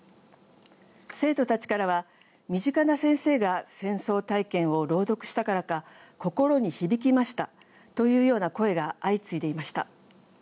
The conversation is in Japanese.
生徒たちからは身近な先生が戦争体験を朗読したからか心に響きましたというような声が相次いでいました。